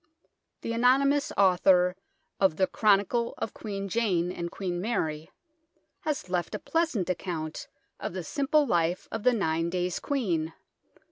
The anonymous author of the " Chronicle of Queen Jane and Queen Mary " has left a pleasant account of the simple life of the nine days' Queen.